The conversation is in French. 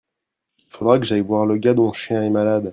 Il faudra que j'aille voir le gars dont le chien est malade.